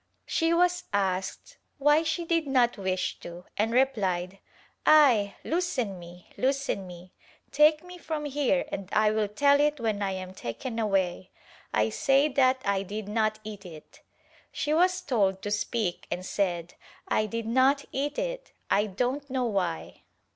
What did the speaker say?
She was asked why she did not wish to and replied "Ay! loosen me, loosen me — take me from here and I will tell it when I am taken away — I say that I did not eat it." She was told to speak and said "I did not eat it, I don't know why."